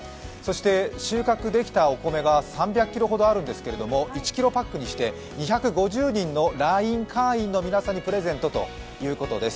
収穫できたお米が３００ｋｇほどあるんですが１ｋｇパックにして２５０人のＬＩＮＥ会員の皆さんにプレゼントということです。